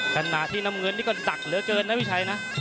ขณะที่น้ำเงินนี่ก็หนักเหลือเกินนะพี่ชัยนะ